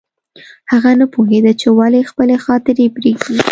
هغه نه پوهېده چې ولې خپلې خاطرې پرېږدي